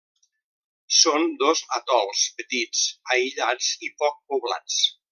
Són dos atols petits, aïllats i poc poblats.